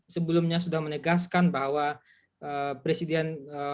sebelumnya sudah menegaskan bahwa presiden